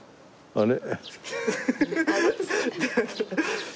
あれ。